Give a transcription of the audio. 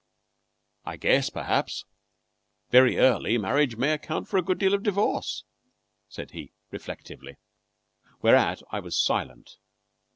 "I guess, perhaps, very early marriage may account for a good deal of the divorce," said he, reflectively. Whereat I was silent.